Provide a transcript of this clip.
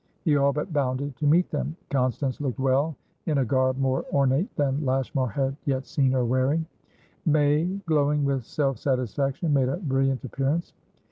He all but bounded to meet them. Constance looked well in a garb more ornate than Lashmar had yet seen her wearing; May, glowing with self satisfaction, made a brilliant appearance.